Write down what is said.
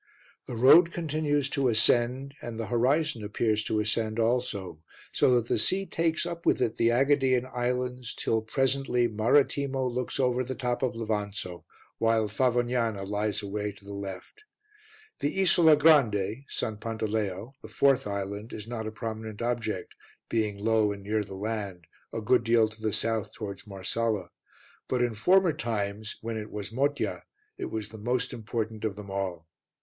The road continues to ascend and the horizon appears to ascend also, so that the sea takes up with it the AEgadean islands till, presently, Marettimo looks over the top of Levanzo, while Favognana lies away to the left. The Isola Grande (S. Pantaleo), the fourth island, is not a prominent object, being low and near the land, a good deal to the south towards Marsala; but in former times, when it was Motya, it was the most important of them all.